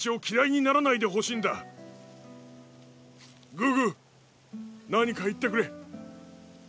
グーグー何か言ってくれ。